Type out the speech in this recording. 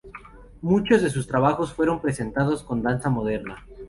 Muchos de sus trabajos fueron presentados con danza moderna.